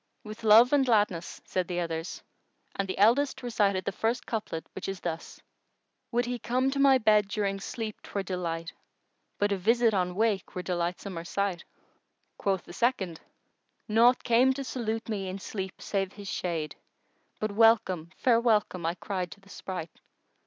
"With love and gladness," said the others; and the eldest recited the first couplet which is this:— Would he come to my bed during sleep 'twere delight * But a visit on wake were delightsomer sight! Quoth the second:— Naught came to salute me in sleep save his shade * But "welcome, fair welcome," I cried to the spright!